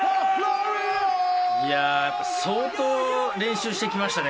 いややっぱ相当練習してきましたね